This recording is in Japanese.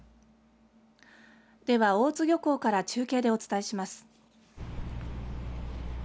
では大津漁港から中継でお伝えします。